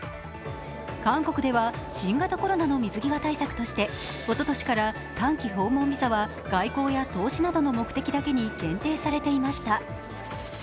韓国では新型コロナの水際対策としておととしか短期訪問ビザは外交や投資などの目的だけに限定されていました。